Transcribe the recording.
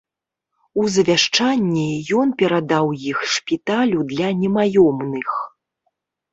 У завяшчанні ён перадаў іх шпіталю для немаёмных.